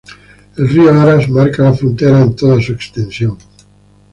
El río Aras marca la frontera en toda su extensión.